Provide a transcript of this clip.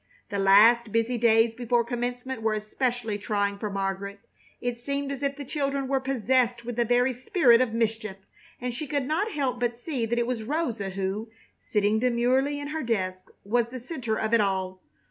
The last busy days before Commencement were especially trying for Margaret. It seemed as if the children were possessed with the very spirit of mischief, and she could not help but see that it was Rosa who, sitting demurely in her desk, was the center of it all.